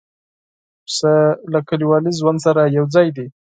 پسه له کلیوالي ژوند سره یو ځای دی.